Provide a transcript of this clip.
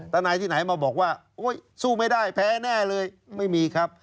ทนายที่ไหนมาบอกว่าสู้ไม่ได้แพ้แน่เลยไม่มีครับ